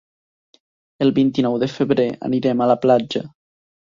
El vint-i-nou de febrer anirem a la platja.